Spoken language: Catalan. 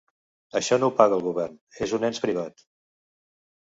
Això no ho paga el govern, és un ens privat.